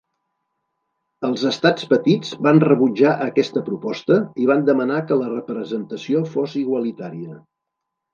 Els Estats petits van rebutjar aquesta proposta i van demanar que la representació fos igualitària.